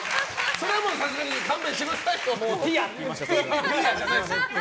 それはさすがに勘弁してくださいと。